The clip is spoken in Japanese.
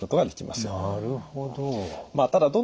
なるほど。